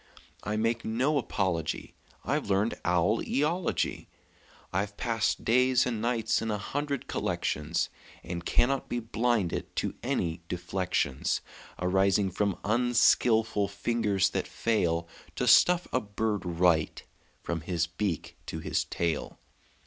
I make no apology; I've learned owl eology. I've passed days and nights in a hundred collections, And cannot be blinded to any deflections Arising from unskilful fingers that fail To stuff a bird right, from his beak to his tail.